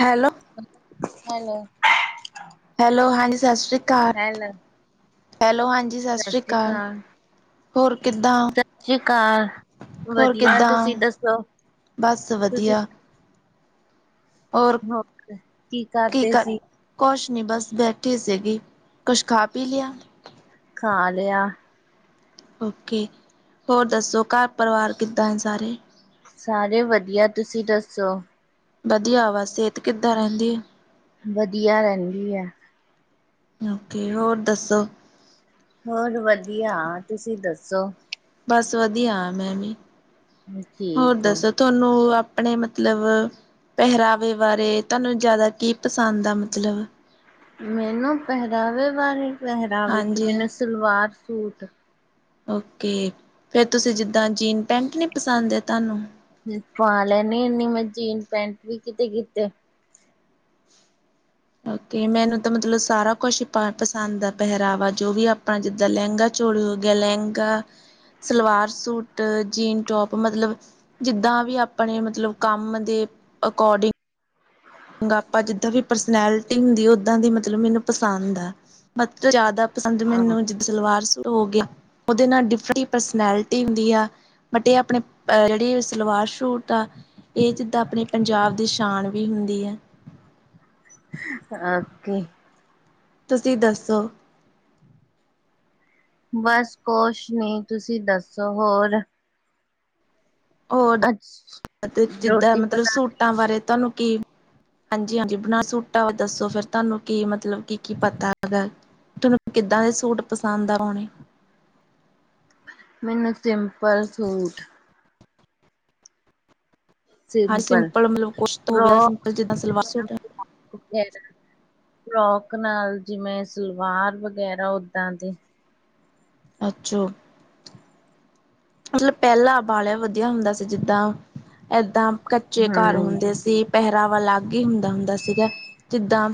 Hello hello. Hello, ਹਾਂਜੀ ਸ਼ਾਸਰੀ ਕਾਲ। ਹੈਲੋ ਹੈਲੋ ਹਾਂਜੀ ਸਤਿ ਸ਼ਾਸਰੀ ਸ੍ਰੀ ਕਾਲ। ਅਕਾਲ ਹੋਰ ਕਿੱਦਾਂ- ਸਤਿ ਸ਼੍ਰੀ ਅਕਾਲ ਹੋਰ ਵਧੀਆ ਕਿੱਦਾਂ ਤੁਸੀਂ ਓ? ਦੱਸੋ ਬਸ ਤੁਸੀਂ ਵਧੀਆ। ਹੋਰ ਕੀ ਕਰਦੇ ਠੀਕ ਆ। ਸੀ ਕੋਛ, ਨੀ ਬਸ ਬੈਠੀ ਸੀਗੀ, ਕੁਛ ਖਾ ਪੀ ਲਿਆ। ਖਾ ਲਿਆ। ਓਕੇ ਹੋਰ ਦੱਸੋ, ਘਰ ਪਰਿਵਾਰ ਕਿੱਦਾਂ ਆ ਸਾਰੇ ਸਾਰੇ ਵਧੀਆ, ਤੁਸੀਂ ਦੱਸੋ। ਵਧੀਆ ਵਾ ਸਿਹਤ ਕਿੱਦਾਂ ਰਹਿੰਦੀ ਆ। ਵਧੀਆ ਰਹੰਦੀ ਅ। ਓਕੇ, ਹੋਰ ਦੱਸੋ। ਹੋਰ ਵਧੀਆ ਤੁਸੀਂ ਦੱਸੋ। ਬਸ ਵਧੀਆ ਆ ਮੈਂ ਵੀ ਹੋਰ ਠੀਕ ਹੋ ਦੱਸੋ। ਤੁਹਾਨੂੰ ਆਪਣੇ ਮਤਲਬ ਪਹਰਾਵੇ ਬਾਰੇ ਤੁਹਾਨੂੰ ਜਾਦਾ ਕੀ ਪਸੰਦ ਆ ਮਤਲਬ ਮੈਨੂੰ ਪਹਿਰਾਵੇ ਵਾਰੇ ਪਹਿਰਾਵੇਂ ਚ ਵਿੱਚ ਹਾਂਜੀ। ਮੈਨੂੰ ਸਲਵਾਰ ਸੂਟ। ਓਕੇ ਫਿਰ ਤੁਸੀਂ ਜਿੱਦਾਂ ਜੀਨ ਪੈਂਟ ਨੀ ਪਸੰਦ ਐ ਤੁਵਾਨੂੰ ਪਾ ਲੈਨੀ ਹੁਨੀ ਮੈਂ ਜੀਨ ਪੈਂਟ ਵੀ ਕਿਤੇ ਕਿਤੇ। ਓਕੇ ਮੈਨੂੰ ਤਾਂ ਮਤਲਬ ਸਾਰਾ ਕੁਛ ਹੀ ਪਸੰਦ ਆ ਪਹਿਰਾਵਾ ਜੋ ਵੀ ਆਪਾ ਜਿੱਦਾਂ ਲਹਿੰਗਾ ਚੋਲੀ ਹੋ ਗਿਆ lehenga, salwar suit, jean top ਮਤਲਬ ਜਿੱਦਾਂ ਵੀ ਆਪਣੇ ਮਤਲਬ ਕੰਮ ਦੇ ਅਕੋਰਡਿੰਗ ਆਪਾਂ ਜਿੱਦਾਂ ਵੀ ਪਰਸਨੈਲਿਟੀ ਹੁੰਦੀ ਓਦਾਂ ਦੀ ਮਤਲਬ ਮੈਨੂੰ ਪਸੰਦ ਅ। ਮਧ ਤੋਂ ਜਾਦਾ ਪਸੰਦ ਮੈਨੂੰ ਜ ਸਲਵਾਰ ਸੂਟ ਹੋ ਗਿਆ ਉਦੇ ਨਾਲ ਡਿਫਰਟ ਹੁੰਦੀ ਆ। ਬਟ ਇਹ ਆਪਣੇ ਜੇੜੀ ਸਲਵਾਰ ਸ਼ੁਟ ਆ। ਇਹ ਜਿੱਦਾਂ ਆਪਣੇ ਪੰਜਾਬ ਦੀ ਸ਼ਾਨ ਵੀ ਹੁੰਦੀ ਐ। ਓਕੇ ਤੁਸੀ ਦੱਸੋ। ਬਸ ਕੋਛ ਨੀ ਤੁਸੀਂ ਦੱਸੋ ਹੋਰ ਓਡ ਅੱਜ ਤੇ ਜਿੱਦਾਂ ਰੋਟੀ ਮਤਲਬ ਬਣਾ ਸੂਟਾਂ ਬਾਰੇ ਤਾਂਨੂੰ ਕੀ ਹਾਂਜੀ ਹਾਂਜੀ ਬਣਾ ਸੂਟਾ ਦਾ ਦਸੋ ਫਿਰ ਤੁਹਾਨੂੰ ਕੀ ਮਤਲਬ ਕੀ- ਕੀ ਪਤਾ ਹੈਗਾ? ਤੈਨੂੰ ਕਿੱਦਾਂ ਦੇ ਸੂਟ ਪਸੰਦ ਆ ਪਉਣੇ। ਮੈਨੂੰ ਸਿੰਪਲ ਸੂਟ। ਹਾਂ ਸਿੰਪਲ ਮਤਲਬ ਕੁਛ ਤਾਂ ਹੋ ਗਿਆ। ਸਿੰਪਲ ਜਿੱਦਾਂ ਸਲਵਾਰ ਸੂਟ, ਯੇਸ ਫਰੋਕ ਨਾਲ ਜਿਵੇਂ ਸਲਵਾਰ ਵਗੈਰਾ ਓਦਾਂ ਦੇ, ਆਜੋ, ਮਤਲਬ ਪਹਿਲਾ ਬਾਲਿਆ ਵਧੀਆ ਹੁੰਦਾ ਸੀ। ਜਿੱਦਾਂ ਏਦਾਂ ਕੱਚੇ ਘਰ ਹਮ ਹੁੰਦੇ ਸੀ। ਪਹਿਰਾਵਾ ਅਲੱਗ ਹੀ ਹੁੰਦਾ ਹੁੰਦਾ ਸੀਗਾ ਜਿੱਦਾਂ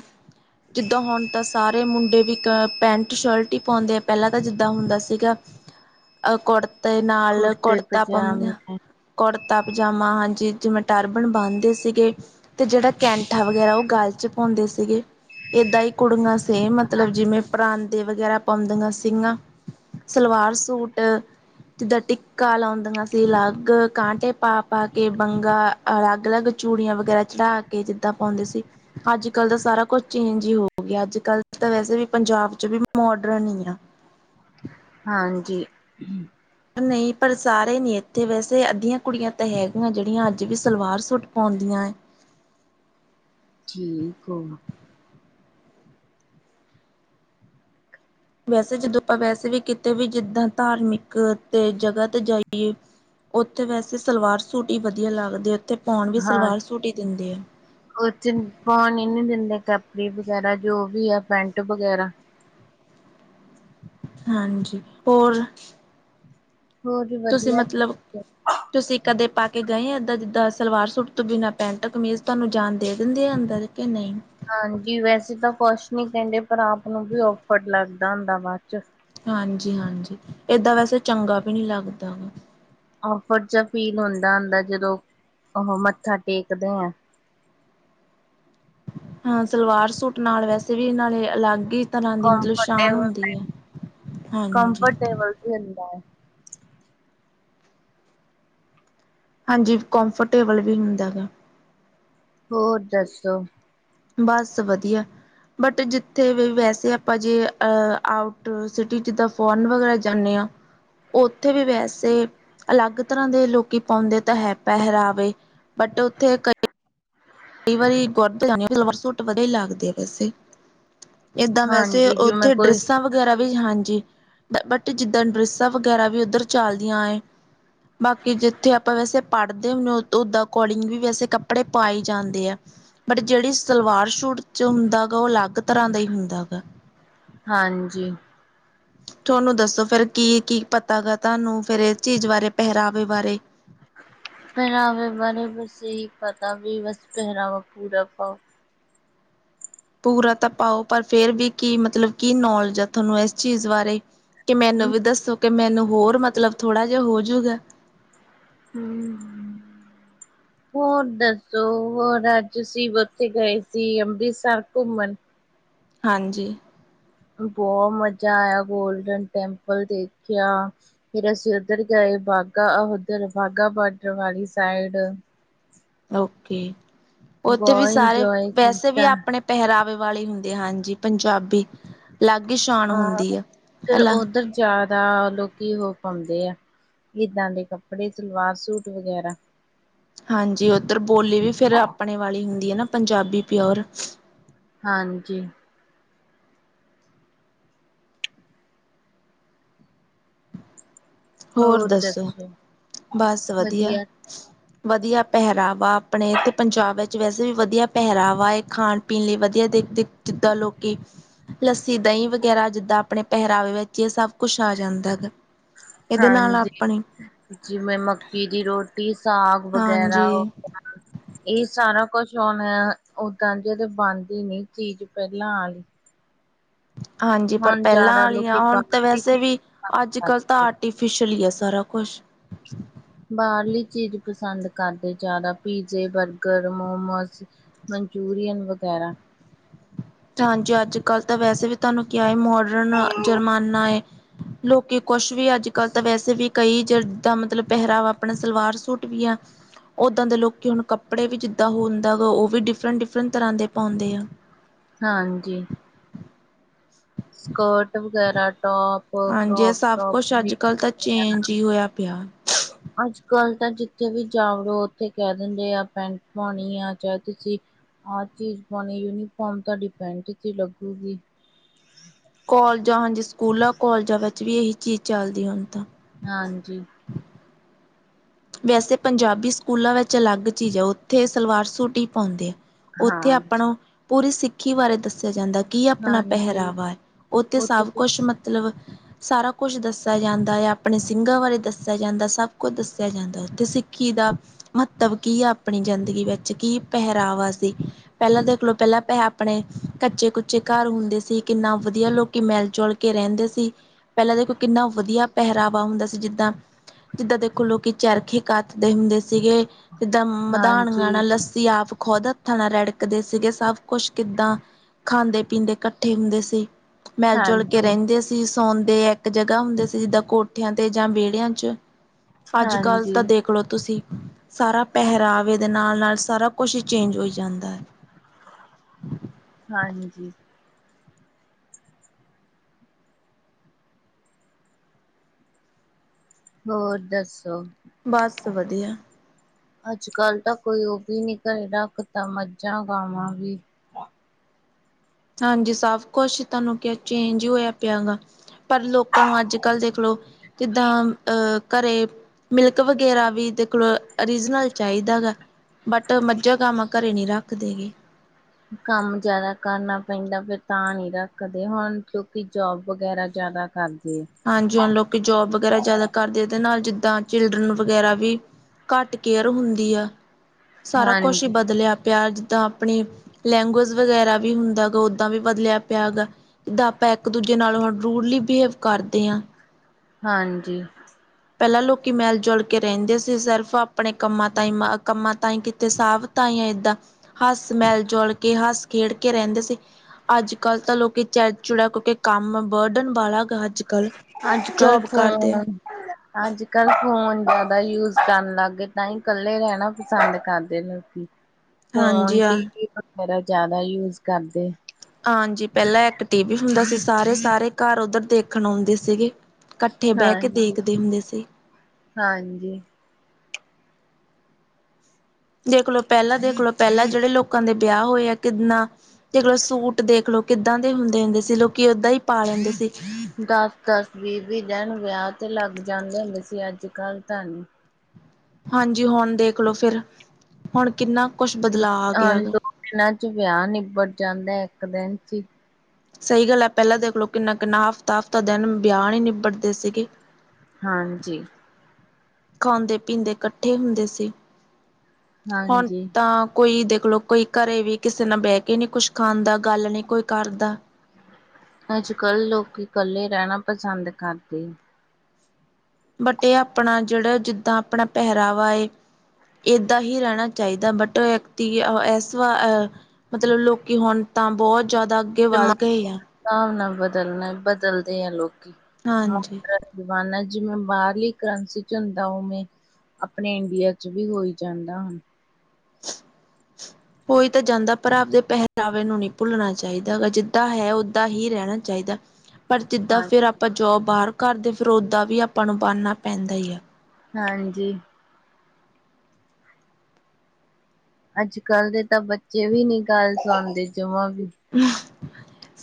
ਜਿੱਦਾਂ ਹੁਣ ਤਾਂ ਸਾਰੇ ਮੁੰਡੇ ਵੀ ਪੈਂਟ ਸ਼ਰਟ ਹੀ ਪਾਉਂਦੇ ਆ ਪਹਿਲਾਂ ਤਾਂ ਜਿੱਦਾਂ ਹੁੰਦਾ ਸੀਗਾ ਅ ਕੁੜਤੇ ਨਾਲ ਕੁੜਤੇ ਕੁੜਤਾ ਪਾਉਂਦਾ, ਪਜਾਮੇ ਕੁੜਤਾ ਪਜਾਮਾ ਹਾਂਜੀ ਜਿਵੇਂ ਟਰਬਨ ਬੰਨਦੇ ਸੀਗੇ ਅਤੇ ਜਿਹੜਾ ਕੈਂਠਾ ਵਗੈਰਾ ਉਹ ਗਲ 'ਚ ਪਾਉਂਦੇ ਸੀਗੇ ਇੱਦਾਂ ਹੀ ਕੁੜੀਆ ਸੇਮ ਮਤਲਬ ਜਿਵੇਂ ਪਰਾਂਦੇ ਵਗੈਰਾ ਪਾਉਂਦੀਆਂ ਸੀਗੀਆਂ ਸਲਵਾਰ ਸੂਟ ਜਿੱਦਾਂ ਟਿੱਕਾ ਲਾਉਂਦੀਆਂ ਸੀ ਅਲੱਗ ਕਾਂਟੇ ਪਾ ਪਾ ਕੇ ਵੰਗਾਂ ਅਲੱਗ ਅਲੱਗ ਚੂੜੀਆਂ ਵਗੈਰਾ ਚੜਾ ਕੇ ਜਿੱਦਾਂ ਪਾਉਂਦੇ ਸੀ। ਅੱਜ ਕੱਲ੍ਹ ਦਾ ਸਾਰਾ ਕੁਛ ਚੇਂਜ ਹੀ ਹੋ ਗਿਆ। ਅੱਜ ਕੱਲ ਤਾਂ ਵੈਸੇ ਵੀ ਪੰਜਾਬ ਚ ਵੀ ਮੋਡਰਨ ਹੀ ਆ। ਹਾਂਜੀ, ਨਹੀਂ ਪਰ ਸਾਰੇ ਨ ਇੱਥੇ ਵੈਸੇ ਅੱਧੀਆਂ ਕੁੜੀਆਂ ਤਾਂ ਹੈਗੀਆਂ ਜਿਹੜੀਆਂ ਅੱਜ ਵੀ ਸਲਵਾਰ ਸੂਟ ਪਾਉਂਦੀਆਂ ਏ। ਠੀਕ ਆ, ਵੈਸੇ ਜਦੋਂ ਆਪਾਂ ਵੈਸੇ ਵੀ ਕਿਤੇ ਵੀ ਜਿੱਦਾਂ ਧਾਰਮਿਕ ਤੇ ਜਗ੍ਹਾ ਤੇ ਜਾਈਏ, ਉੱਥੇ ਵੈਸੇ ਸਲਵਾਰ ਸੂਟ ਹੀ ਵਧੀਆ ਲੱਗਦੇ। ਉੱਥੇ ਪਾਉਣ ਵੀ ਹਾਂ ਸਲਵਾਰ ਸੂਟ ਹੀ ਦਿੰਦੇ ਆ। ਉਹ ਚ ਪਾਉਣ ਹੀ ਨੀ ਦਿੰਦੇ ਕੇਪਰੀ ਵਗੈਰਾ ਜੋ ਵੀ ਹੈ ਪੈਂਟ ਵਗੈਰਾ, ਹਾਂਜੀ ਹੋਰ ਹੋਰ ਤੁਸੀਂ ਵਧੀਆ ਮਤਲਬ ਤੁਸੀਂ ਤੁਸੀਂ ਕਦੇ ਪਾ ਕੇ ਗਏ ਆ ਏਦਾਂ ਜਿੱਦਾਂ ਸਲਵਾਰ ਸੂਟ ਤੋਂ ਬਿਨਾਂ ਪੈਂਟ ਕਮੀਜ਼ ਤੁਹਾਨੂੰ ਜਾਣ ਦੇ ਦਿੰਦੇ ਆ ਅੰਦਰ ਕਿ ਨਹੀਂ, ਹਾਂਜੀ ਵੈਸੇ ਤਾਂ ਕੁਸ਼ ਨੀ ਕਹਿੰਦੇ ਪਰ ਆਪ ਨੂੰ ਵੀ ਔਫਰਡ ਲੱਗਦਾ ਹੁੰਦਾ ਬਾਅਦ ਚ ਹਾਂਜੀ, ਹਾਂਜੀ ਏਦਾਂ ਵੈਸੇ ਚੰਗਾ ਵੀ ਨਹੀ ਲੱਗਦਾ। ਆਫਰ ਚ ਕੀ ਹੁੰਦਾ ਹੁੰਦਾ ਜਦੋਂ ਉਹ ਮੱਥਾ ਟੇਕਦੇ ਆ ਹਾਂ ਸਲਵਾਰ ਸੂਟ ਨਾਲ ਵੈਸੇ ਵੀ ਇਹ ਨਾਲੇ ਅਲੱਗ ਹੀ ਤਰ੍ਹਾਂ ਦੀ ਮਤਲਬ ਸ਼ਾਨ ਹੁੰਦੀ ਕੰਫਰਟੇਬਲ ਹੈ ਹਾਂਜੀ ਨੀਂਦ ਏ, ਹਾਂਜੀ ਕੋਮਫਰਟੇਬਲ ਵੀ ਹੁੰਦਾ ਹੈਗਾ, ਹੋਰ ਦੱਸੋ। ਬਸ ਵਧੀਆ ਬਟ ਜਿੱਥੇ ਵੀ ਵੈਸੇ ਆਪਾਂ ਜੇ ਆਊਟ ਸਿਟੀ ਜਿਦਾਂ ਫੋਰਨ ਵਗੈਰਾ ਜਾਨੇ ਆ ਉਥੇ ਵੀ ਵੈਸੇ ਅਲੱਗ ਤਰ੍ਹਾਂ ਦੇ ਲੋਕੀ ਪਾਉਂਦੇ ਤਾਂ ਹੈ ਪਹਿਰਾਵੇ। ਬਟ ਉੱਥੇ ਕਈ ਕਈ ਵਾਰੀ ਕੁਰਤੇ ਪਜਾਮੇ ਹੀਂ ਸਲਵਾਰ ਸੂਟ ਵਧੀਆ ਹੀ ਲੱਗਦੇ ਵੈਸੇ ਇਦਾਂ ਵੈਸੇ ਹਾਂਜੀ ਜਿਵੇਂ ਉਥੇ ਕੋਈ ਡਰਿਸਾਂ ਵ ਗੇਰਾ ਵੀ ਹਾਂਜੀ ਬਟ ਜਿੱਦਾਂ ਡਰੇਸਾ ਵਗੈਰਾ ਵੀ ਉਧਰ ਚੱਲਦੀਆਂ ਹੈ, ਬਾਕੀ ਜਿੱਥੇ ਆਪਾਂ ਵੈਸੇ ਪੜ੍ਹਦੇ ਹੁੰਦੇ ਓਦਾਂ ਅਕੋਰਡਿੰਗ ਵੀ ਵੈਸੇ ਕੱਪੜੇ ਪਾਏ। ਜਾਂਦੇ ਆ ਬਟ ਜਿਹੜੀ ਸਲਵਾਰ ਸੂਟ ਚ ਹੁੰਦਾ ਉਹ ਅਲੱਗ ਤਰ੍ਹਾਂ ਦਾ ਹੀ ਹੁੰਦਾ ਹੈਗਾ, ਹਾਂਜੀ ਤੁਹਾਨੂੰ ਦੱਸੋ ਫੇਰ ਕੀ ਕੀ ਪਤਾ ਹੈਗਾ ਤੁਹਾਨੂੰ ਇਸ ਚੀਜ਼ ਬਾਰੇ ਪਹਿਰਾਵੇ ਬਾਰੇ, ਪਿਹਰਾਵੇ ਬਾਰੇ ਤੁਸੀ ਪਤਾ ਵੀ ਬਸ ਪਹਿਰਾਵਾ ਪੂਰਾ ਪਾਉ ਪੂਰਾ ਤਾਂ ਪਾਓ ਪਰ ਫੇਰ ਵੀ ਕੀ ਮਤਲਬ ਕੀ ਨੌਲਜ ਆ ਥੋਂਨੂੰ ਏਸ ਚੀਜ਼ ਬਾਰੇ ਤੇ ਮੈਨੂੰ ਹਮ ਵੀ ਦੱਸੋ ਕਿ ਮੈਨੂੰ ਹੋਰ ਮਤਲਬ ਥੋੜਾ ਜਾ ਹੋਜੂਗਾ। ਹੂੰ-ਹੂੰ [inaudible] ਹੋਰ ਦੱਸੋ ਹੋਰ ਅੱਜ ਅਸੀ ਉੱਥੇ ਗਏ ਸੀ ਅੰਮ੍ਰਿਤਸਰ ਘੁੰਮਣ ਹਾਂਜੀ। ਬੋ ਮਜਾ ਆਇਆ ਗੋਲਡਨ ਟੈਂਪਲ ਦੇਖਿਆ ਫੇਰ ਅਸੀਂ ਉਧਰ ਗਏ ਬਾਘਾ ਉਧਰ ਬਾਘਾ ਬਾਰਡਰ ਵਾਲੀ ਸਾਈਡ ਓਕੇ ਉੱਥੇ ਵੀ ਬਹੁਤ ਸਾਰੇ ਇੰਜੋਏ ਵੈਸੇ ਵੀ ਕੀਤਾ ਆਪਣੇ ਪਹਿਰਾਵੇ ਵਾਲੇ ਹੁੰਦੇ ਹਾਂਜੀ ਪੰਜਾਬੀ ਅਲੱਗ ਈ ਸ਼ਾਨ ਹੁੰਦੀ ਆ ਅਲਾ ਜਾਦਾ ਲੋਕੀ ਓਹ ਪਾਉਂਦੇ ਆ ਏਦਾਂ ਦੇ ਕੱਪੜੇ ਸਲਵਾਰ ਸੂਟ ਵਗੈਰਾ ਹਾਂਜੀ ਆਈਧਰ ਬੋਲੀ ਵੀ ਫਿਰ ਆਪਣੇ ਵਾਲੀ ਹੁੰਦੀ ਆ ਨਾ ਪੰਜਾਬੀ ਪਿਓਰ ਹਾਂਜੀ ਹੋਰ ਦੱਸੋ? ਬਸ ਵਧੀਆ। ਵਧੀਆ ਪਹਿਰਾਵਾ ਆਪਣੇ ਤੇ ਪੰਜਾਬ ਵਿੱਚ ਵੈਸੇ ਵੀ ਵਧੀਆ ਪਹਿਰਾਵਾ ਏ ਖਾਣ-ਪੀਣ ਲਈ ਵਧੀਆ ਦੇ-ਦੇ ਜਿੱਦਾਂ ਲੋਕੀ ਲੱਸੀ, ਦਈ ਵਗੈਰਾ ਜਿੱਦਾਂ ਆਪਣੇ ਪਹਿਰਾਵੇ ਵਿੱਚ ਏ ਸਭ ਕੁੱਛ ਆ ਜਾਂਦਾ ਗਾ। ਇਹਦੇ ਨਾਲ ਆਪਣੇ ਹਾਂਜੀ ਜਿਵੇਂ ਮੱਕੀ ਦੀ ਰੋ ਟੀ ਸਾਗ ਵਗੈਰਾ ਹਾਂਜੀ, ਹੋਗਿਆ ਏ ਸਾਰਾ ਕੁਛ ਹੁਣ ਓਦਾਂ ਜ ਤਾਂ ਬਣਦੀ ਨੀ ਚੀਜ਼ ਪੈਲਾਂ ਆਲੀ। ਹਾਂਜੀ ਪਰ ਹੁਣ ਪੈਲਾਂ ਜ਼ਿਆਦਾ ਆਲੀਆਂ ਲੋਕੀ ਹੁਣ ਤੇ ਬਾਹਰ ਦੀ ਵੈਸੇ ਚੀਜ਼ ਵੀ ਅੱਜ ਪਸੰਦ ਕੱਲ੍ਹ ਤਾਂ ਕਰਦੇ ਆਰਟੀਫਿਸ਼ਲ ਈ ਆ ਸਾਰਾ ਕੁਛ। ਬਾਰਲੀ ਚੀਜ਼ ਪਸੰਦ ਕਰਦੇ ਜਾਦਾ ਪੀਜ਼ੇ, ਬਰਗਰ, ਮੋਮੋਜ ਮਨਚੂਰੀਅਨ ਵਗੈਰਾ ਹਾਂਜੀ ਅੱਜ-ਕੱਲ੍ਹ ਤਾਂ ਵੈਸੇ ਵੀ ਤੁਹਾਨੂੰ ਕਿਆ ਏ ਮੋਡਰਨ ਜੁਰਮਾਨਾ ਏ ਲੋਕੀ ਕੁਛ ਵੀ ਅੱਜ ਕੱਲ ਤਾਂ ਵੈਸੇ ਵੀ ਕਈ ਜਿਦਾ ਮਤਲਬ ਪਹਿਰਾਵਾ ਆਪਣਾ ਸਲਵਾਰ ਸੂਟ ਵੀ ਆ ਓਦਾਂ ਦੇ ਲੋਕੀ ਹੁਣ ਕੱਪੜੇ ਵੀ ਜਿੱਦਾਂ ਹੁੰਦਾ ਗਾ ਓ ਵੀ ਡਿਫਰੈਂਟ-ਡਿਫਰੈਂਟ ਤਰ੍ਹਾਂ ਦੇ ਪੋਂਦੇ ਆ। ਹਾਂਜੀ। ਕੋਟ ਵਗੈਰਾ ਟੋਪ। ਹਾਂਜੀ ਏ ਕਰੋਪ ਸਭ ਟੋਪ ਕੁੱਛ ਵੀ ਅੱਜ-ਕੱਲ ਤਾਂ ਚੇਂਜ ਈ ਹੋਇਆ ਪਿਆ। ਅੱਜ-ਕੱਲ ਤਾਂ ਜਿੱਥੇ ਵੀ ਜਾਵਡੋ ਓਥੇ ਕੈ ਦਿੰਦੇ ਆ ਪੈਂਟ ਪੋਣੀ ਆ ਜਾਂ ਤੁਸੀਂ ਆ ਚੀਜ਼ ਪੋਣੀ ਯੂਨੀਫਾਰਮ ਤੁਹਾਡੀ ਪੈਂਟ ਚ ਈ ਲੱਗੂਗੀ। ਕੋਲਜਾਂ ਹਾਂਜੀ ਸਕੂਲਾਂ, ਕੋਲਜਾਂ ਵਿੱਚ ਵੀ ਏਹੀ ਚੀਜ਼ ਚੱਲਦੀ ਹੁਣ ਤਾਂ। ਹਾਂਜੀ। ਵੈਸੇ ਪੰਜਾਬੀ ਸਕੂਲਾਂ ਵਿੱਚ ਅਲੱਗ ਚੀਜ਼ ਆ ਓਥੇ ਸਲਵਾਰ ਸੂਟ ਈ ਪਾਉਂਦੇ ਆ। ਉੱਥੇ ਹਾਂਜੀ ਆਪਣਾ ਪੂਰੀ ਸਿੱਖੀ ਬਾਰੇ ਦੱਸਿਆ ਜਾਂਦਾ ਕੀ ਆਪਣਾ ਹਾਂਜੀ ਪਹਿਰਾਵਾ ਓ ਤੇ ਉੱਥੇ ਸਭ ਕੁਛ ਤੁਸ- ਮੰਤ ਕੀ ਮਤਲਬ ਸਾਰਾ ਕੁਛ ਦੱਸਿਆ ਜਾਂਦਾ ਯਾ ਆਪਣੇ ਸਿੰਘਾਂ ਬਾਰੇ ਦੱਸਿਆ ਜਾਂਦਾ ਸਭ ਕੁਛ ਦੱਸ ਆ ਜਾਂਦਾ ਓਥੇ ਸਿੱਖੀ ਦਾ ਮਹੱਤਵ ਕੀ ਆ ਆਪਣੀ ਜ਼ਿੰਦਗੀ ਵਿੱਚ ਕੀ ਪਹਿਰਾਵਾ ਸੀ ਪੈਲਾਂ ਦੇਖਲੋ ਪੈਲਾਂ ਪ ਆਪਣੇ ਕੱਚੇ-ਕੁੱਚੇ ਘਰ ਹੁੰਦੇ ਸੀ ਕਿੰਨਾ ਵਧੀਆ ਲੋ ਕੀ ਮਿਲ ਜੁਲ ਕੇ ਰੈਂਦੇ ਸੀ ਪੈਲਾਂ ਦੇਖੋ ਕਿੰਨਾ ਵਧੀਆ ਪਹਿਰਾਵਾ ਹੁੰਦਾ ਸੀ ਜਿੱਦਾਂ ਜਿੱਦਾਂ ਦੇਖੋ ਲੋਕੀ ਚਰਖੇ ਕੱਤਦੇ ਹੁੰਦੇ ਸੀਗੇ, ਜਿੱਦਾਂ ਮਧਾਨੀਆ ਹਾਂਜੀ ਨਾਲ ਲੱ ਸੀ ਆਪ ਖੁਦ ਹੱਥਾਂ ਨਾਲ ਰਿੜਕਦੇ ਸੀਗੇ ਸਭ ਕੁੱਛ ਕਿੱਦਾਂ ਖਾਂਦੇ-ਪੀਂਦੇ ਕ ਠੇ ਹੁੰਦੇ ਸੀ ਮਿਲ-ਜੁਲ ਕੇ ਹਾਂਜੀ ਰੈਂਦੇ ਤੇ ਸੌਂਦੇ ਏਕ ਜਗ੍ਹਾ ਹੁੰਦੇ ਸੀ ਜਿੱਦਾਂ ਕੋਠਿਆਂ ਤੇ ਜਾਂ ਵੇੜੇਆਂ ਚ ਅੱਜ ਕੱਲ੍ਹ ਹਾਂਜੀ ਤਾਂ ਦੇਖ ਲਓ ਤੁਸੀਂ ਸਾਰਾ ਪਹਿਰਾਵੇ ਦੇ ਨਾਲ -ਨਾਲ ਸਾਰਾ ਕੁਛ ਈ ਚੇਂਜ ਹੋਈ ਜਾਂਦਾ। ਹਾਂਜੀ। ਹੋਰ ਦੱਸੋ? ਬਸ ਵੱਧੀਆ। ਅੱਜ ਕੱਲ੍ਹ ਤਾਂ ਕੋਈ ਓ ਵੀ ਨੀ ਘਰੇ ਰੱਖਦਾ ਮੱਝਾਂ ਗਾਵਾਂ ਵੀ ਹਾਂਜੀ ਸਾਭ ਕੋਛ ਤਾਨੂੰ ਕੇਆ ਚੇਂਜ ਹੋਇਆ ਪੇਆ ਵਾ। ਪਰ ਲੋਕਾਂ ਨੂੰ ਅੱਜ- ਕੱਲ੍ਹ ਦੇਖ ਲਓ ਕਿਦਾਂ ਅ ਘਰੇ ਮਿਲਕ ਵਗੈਰਾ ਵੀ ਦੇਖ ਲਓ ਉਰਿਜਨਲ ਚਾਈਦਾ ਹੈਗਾ। ਬਟ ਮੱਝਾ ਗਾਂਵਾ ਘਰੇ ਨੀ ਰੱਖਦੇ ਹੈਗੇ। ਕੰਮ ਜਾਦਾ ਕਰਨਾ ਪੈਂਦਾ ਫਿਰ ਤਾਂ ਨਈ ਰੱਖਦੇ ਹੁਣ ਕਿਉਂਕਿ ਜੋਬ ਵਗੈਰਾ ਜ਼ਾਦਾ ਕਰਦੇ ਆ। ਹਾਂਜੀ ਹੁਣ ਲੋਕੀ ਜੋਬ ਵਗੈਰਾ ਜ਼ਾਦਾ ਕਰਦੇ ਤੇ ਨਾਲ ਜਿੱਦਾਂ ਚਿਲਡਰਨ ਵਗੈਰਾ ਵੀ ਘੱਟ ਕੇਅਰ ਹੁੰਦੀ ਆ ਸਾਰਾ ਕੁਛ ਈ ਹਾਂਜੀ ਬਦਲੇਆ ਪਿਆ ਜਿੱਦਾਂ ਆਪਣੀ ਲੈਂਗੂਏਜ ਵਗੈਰਾ ਵੀ ਹੁੰਦਾ ਗਾ ਓਦਾਂ ਵੀ ਬਦਲਿਆ ਪਿਆ ਹੈਗਾ। ਜਿੱਦਾਂ ਆਪਾਂ ਇੱਕ ਦੂਜੇ ਨਾਲ ਹੁਣ ਰੂਡਲੀ ਬਿਹੇਵ ਕਰਦੇ ਆ। ਹਾਂਜੀ। ਪੇਲਾਂ ਲੋਕੀ ਮੇਲ ਜੁਲ ਕੇ ਰੇਂਦੇ ਸੀ ਸਿਰਫ਼ ਆਪਣੇ ਕੰਮਾਂ ਤ ਕੰਮਾਂ ਤਾਈ ਕਿਤੇ ਸਾਬ ਤਾਂ ਈ ਏਦਾਂ ਹੱਸ ਮੇਲ ਜੋਲ ਕੇ ਹੱਸ ਖੇਡ ਕੇ ਰੇਂਦੇ ਸੀ ਅੱਜ- ਕੱਲ ਤਾਂ ਲੋਕੀ ਚੜ ਚੁੜਾ ਕਿਉਂਕਿ ਕੰਮ ਬਰਡਨ ਵਾਲਾ ਹੈਗਾ। ਅੱਜ- ਕੱਲ ਅੱਜ ਕੱਲ ਜੋਬ ਕਰਦੇ ਆ। ਫੋਨ ਅੱਜ -ਕੱਲ੍ਹ ਫੋਨ ਜਾਦਾ ਯੂਜ ਕਰਨ ਲੱਗ ਗਏ ਤਾਂ ਈ ਕੱਲੇ ਰੈਣਾ ਪਸੰਦ ਕਰਦੇ ਲੋਕੀ। ਹਾਂਜੀ ਫੋਨ, ਟੀ ਹਾਂ -ਵੀ ਵਗੈਰਾ ਜ਼ਾਦਾ ਯੂਜ ਕਰਦੇ ਆ। ਹਾਂਜੀ ਪੇਲਾਂ ਇੱਕ ਟੀ -ਵੀ ਹੁੰਦਾ ਸੀ ਸਾਰੇ -ਸਾਰੇ ਘਾਰ ਓਧਰ ਦੇਖਣ ਆਉਂਦੇ ਸੀਗੇ। ਇਕੱਠੇ ਬੈ ਕੇ ਹਾਂਜੀ ਦੇਖਦੇ ਹੁੰਦੇ ਸੀ। ਹਾਂਜੀ। ਦੇਖਲੋ ਪੇਲਾਂ ਦੇਖ ਲੋ ਪੇਲਾਂ ਜੇੜੇ ਲੋਕਾਂ ਦੇ ਵਿਆਹ ਹੋਏ ਆ ਕਿੰਨਾ ਦੇਖਲੋ ਸੂਟ ਦੇਖਲੋ ਕਿੱਦਾਂ ਦੇ ਹੁੰਦੇ- ਹੁੰਦੇ ਸੀ ਲੋਕੀ ਓਦਾਂ ਈ ਪਾ ਲੈਂਦੇ ਸੀ। ਦਸ- ਦਸ ਵੀਹ- ਵੀਹ ਦਿਨ ਵਿਆਹ ਤੇ ਲੱਗ ਜਾਂਦੇ ਹੁੰਦੇ ਸੀ ਅੱਜ ਕੱਲ ਤਾਂ ਨੀ। ਹਾਂਜੀ ਹੁਣ ਦੇਖਲੋ ਫਿਰ ਹੁਣ ਕਿੰਨਾ ਕੁਛ ਬਦਲਾਅ ਆ ਗਿਆ ਗਾ। ਦੋ ਦਿਨਾਂ ਚ ਵਿਆਹ ਨਿੱਬੜ ਜਾਂਦੇ ਇੱਕ ਦਿਨ ਚ ਈ। ਸਈ ਗੱਲ ਐ ਪੇਲਾਂ ਦੇਖਲੋ ਕਿੰਨਾ -ਕਿੰਨਾ ਹਫ਼ਤਾ- ਹਫ਼ਤਾ ਦੇਨ ਵਿਆਹ ਨੀ ਨਿਬੜਦੇ ਸੀਗੇ। ਹਾਂਜੀ। ਖਾਂਦੇ- ਪੀਂਦੇ ਕੱਠੇ ਹੁੰਦੇ ਸੀ ਹੁਣ ਹਾਂਜੀ ਤਾਂ ਕੋਈ ਦੇਖਲੋ ਕੋਈ ਘਰੇ ਵੀ ਕਿਸੇ ਨਾਲ ਬੈ ਕੇ ਨਈ ਕੁਛ ਖਾਂਦਾ ਗੱਲ ਨੀ ਕੋਈ ਕਰਦਾ ਅੱਜ- ਕੱਲ੍ਹ ਲੋਕੀ ਕੱਲੇ ਰੈਣਾ ਪਸੰਦ ਕਰਦੇ ਆ। ਬਟ ਏ ਆਪਣਾ ਜੇੜਾ ਜਿੱਦਾਂ ਆਪਣਾ ਪੈਹਰਾਵਾ ਏ ਏਦਾਂ ਹੀ ਰੈਣਾ ਚਾਈਦਾ ਬਟ ਵਿਅਕਤੀ ਅ ਏਸ ਵਾਰ ਅ ਮਤਲਬ ਲੋਕੀ ਹੁਣ ਤਾਂ ਬੋਤ ਜ਼ਾਦਾ ਅੱਗੇ ਵੱਧ ਜ਼ਮਾਨੇ ਗਏ ਦੇ ਆ। ਹਿਸਾਬ ਨਾਲ ਬਦਲਣਾ ਬਦਲਦੇ ਆ ਲੋਕੀ, ਹਾਂਜੀ। ਹੋਰ ਜ਼ਮਾਨਾ ਜਿਵੇਂ ਬਾਹਰਲੀ ਕਰੰਸੀ ਚ ਹੁੰਦਾ ਉਵੇਂ ਆਪਣੇ ਇੰਡੀਆ ਚ ਵੀ ਹੋਈ ਜਾਂਦਾ ਹੁਣ। [inaudible] ਔਈ ਤਾਂ ਜਾਂਦਾ ਪਰ ਆਪਦੇ ਪਹਿਰਾਵੇ ਨੂੰ ਨਈ ਭੁੱਲਣਾ ਚਾਹੀਦਾ ਹੈਗਾ ਜਿੱਦਾ ਹੈ ਓਦਾ ਹੀ ਰਹਿਣਾ ਚਾਈਦਾ। ਪਰ ਜਿੱਦਾ ਹਾਂ ਫਿਰ ਆਪਾ ਜੌਬ ਬਾਰ ਕਰਦੇ ਫਿਰ ਓਦਾ ਵੀ ਆਪਾਂ ਨੂੰ ਬਣਨਾ ਪੈਂਦਾ ਈ ਆ। ਹਾਂਜੀ। ਅੱਜ ਕੱਲ ਦੇ ਤਾਂ ਬੱਚੇ ਵੀ ਨੀ ਗੱਲ ਸੁਨਦੇ ਜਮਾ ਵੀ।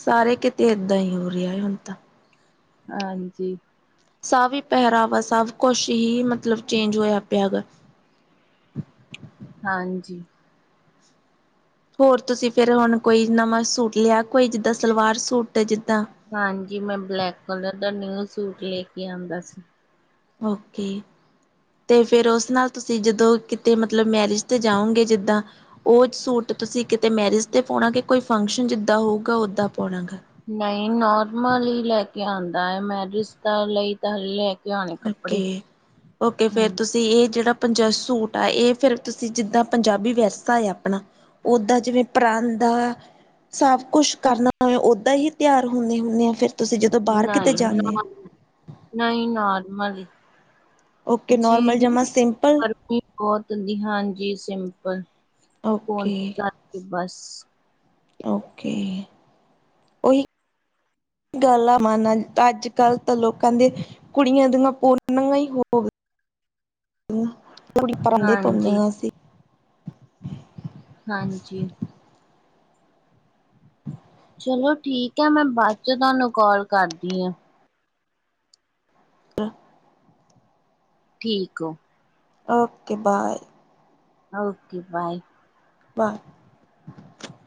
ਸਾਰੇ ਕਿਤੇ ਏਦਾਂ ਈ ਹੋ ਰਿਹਾ ਹੁਨ ਤਾਂ। ਹਾਂਜੀ। ਸਾਵੀ ਪਹਿਰਾਵਾ ਸਬ ਕੁਛ ਹੀ ਮਤਲਬ ਚੇਂਜ ਹੋਇਆ ਪਿਆ ਵ। ਹਾਂਜੀ। ਹੋਰ ਤੁਸੀਂ ਫੇਰ ਹੁਣ ਕੋਈ ਨਵਾਂ ਸੂਟ ਲਿਆ ਕੋਈ ਜਿੱਦਾ ਸਲਵਾਰ ਸੂਟ ਤੇ ਜਿੱਦਾ ਹਾਂਜੀ ਮੈਂ ਬਲੈਕ ਕਲਰ ਦਾ ਨਿਊ ਸੂਟ ਲੈ ਕੇ ਆਂਦਾ ਸੀ। ਔਕੇ। ਤੇ ਫੇਰ ਉਸ ਨਾਲ ਤੁਸੀਂ ਜਦੋਂ ਕਿਤੇ ਮਤਲਬ ਮੈਰਿਜ ਤੇ ਜਾਔਗੇ ਜਿੱਦਾ ਔ ਸੂਟ ਤੁਸੀਂ ਕਿਤੇ ਮੈਰਿਜ ਤੇ ਪਾਉਣਾ ਕੇ ਕੋਈ ਫੰਕਸ਼ਨ ਜਿੱਦਾ ਹੋਊਗਾ ਓਦਾ ਪਾਉਣਾ ਹੈਗਾ। ਨਈ ਨੋਰਮਲ ਹੀ ਲੈ ਕੇ ਆਂਦਾ ਐ ਮੈਰਿਜ ਦਾ ਲਈ ਤਾਂ ਹਲੇ ਲੈ ਕੇ ਆਉਣੇ ਕੱਪੜੇ ਔਕੇ-ਔਕੇ ਫੇਰ ਹਾਂਜੀ ਤੁਸੀਂ ਤੇ ਐ ਜੇੜਾ ਪੰਜਸ ਸੂਟ ਐ ਫਿਰ ਤੁਸੀਂ ਜਿੱਦਾ ਪੰਜਾਬੀ ਵਿਰਸਾ ਏ ਆਪਣਾ ਔਦਾ ਜਿਵੇਂ ਪਰਾਂਦਾ ਸਵ ਕੁਛ ਕਰਨਾ ਓਦਾ ਹੀ ਤਿਆਰ ਹੁੰਨੇ-ਹੁੰਨੇ ਔ ਫੇਰ ਤੁਸੀਂ ਜਦੋਂ ਬਾਹਰ ਕਿਤੇ ਜਾਨੇ ਔ। ਨਈ ਨੋਰਮਲ ਈ ਓਕੇ ਜੀ ਨੋਰਮਲ ਜਮਾ ਸਿੰਪਲ [unintelligible] ਬੋਤ ਨੀ ਹਾਂਜੀ ਸਿੰਪਲ ਪੋਨੀ ਓਕੇ ਕਰਕੇ ਬਸ। ਔਕੇ ਔਈ ਗਾਲਾਂ ਮਨਨ ਅੱਜ ਕੱਲ੍ਹ ਤਾਂ ਲੋਕਾਂ ਦੇ ਕੁੜੀਆਂ ਦੀਆਂ ਪੋਨੀਆ ਹੀ ਹੋ [unintelligible] ਪਰਾਂਦੇ ਹਾਂਜੀ ਪਾਉਂਦੀਆਂ ਸੀਂ। ਹਾਂਜੀ। ਚਲੋ ਠੀਕ ਏ ਮੈਂ ਬਾਦ 'ਚ ਤੁਆਨੂੰ ਕਾਲ ਕਰਦੀ ਆ। [unintelligible] ਠੀਕ ਔ। Okay bye. Okay bye. ਬਾ